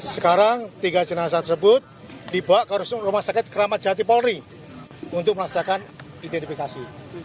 sekarang tiga jenazah tersebut dibawa ke rumah sakit keramat jati polri untuk melaksanakan identifikasi